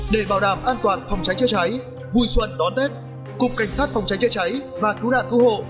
để bảo đảm an toàn phòng cháy chữa cháy vui xuân đón tết cục cảnh sát phòng cháy chữa cháy và cứu nạn cứu hộ